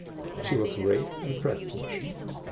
She was raised in Prestwich.